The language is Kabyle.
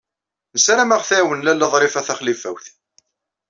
Nessaram ad aɣ-tɛawen Lalla Ḍrifa Taxlifawt.